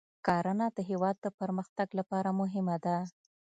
کرنه د هیواد د پرمختګ لپاره مهمه ده.